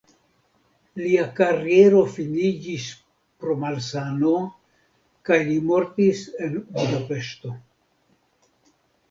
Lia kariero finiĝis pro malsano kaj li mortis en Budapeŝto.